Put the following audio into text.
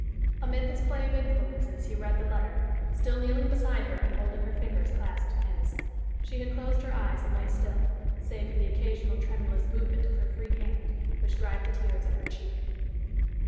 Amid this play of influences he read the letter, still kneeling beside her and holding her fingers clasped in his. She had closed her eyes and lay still, save for the occasional tremulous movement of her free hand, which dried the tears on her cheek.